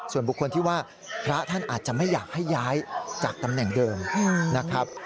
ส่วนบุคคลที่ว่าพระท่านอาจจะไม่อยากให้ย้ายจากตำแหน่งเดิมนะครับ